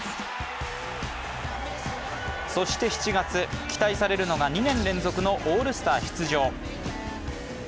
そして７月に期待されるのが２年連続のオールスター出場。